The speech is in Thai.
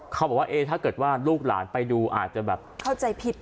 เขาบอกว่าเอ๊ถ้าเกิดว่าลูกหลานไปดูอาจจะแบบ